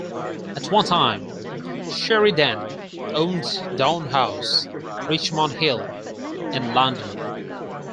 At one time Sheridan owned Downe House, Richmond Hill in London.